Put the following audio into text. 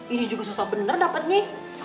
ini juga susah bener dapetnya